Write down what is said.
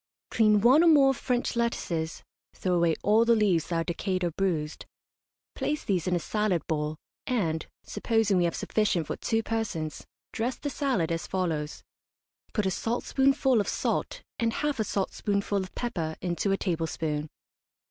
Clean one or more French lettuces (throw away all the leaves that are decayed or bruised), place these in a salad bowl, and, supposing we have sufficient for two persons, dress the salad as follows: Put a saltspoonful of salt and half a saltspoonful of pepper into a tablespoon.